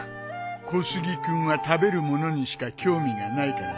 小杉君は食べる物にしか興味がないからね。